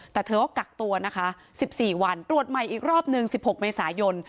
แต่เธอก็กักตัวนะคะ๑๔วันตรวจใหม่อีกรอบหนึ่ง๑๖เมษายน